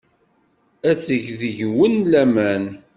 Ad teg deg-wen laman.